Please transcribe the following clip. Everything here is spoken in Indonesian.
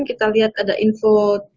kita lihat ada info